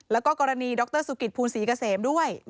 แล้วก็กรณีดรสุกิตภูลศรีเกษมด้วย